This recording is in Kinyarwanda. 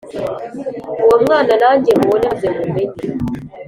uwo mwana na njye mubone maze mumenye